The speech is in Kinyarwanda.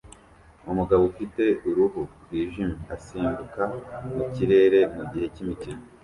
Umugabo ufite uruhu rwijimye asimbuka mu kirere mugihe cyimikino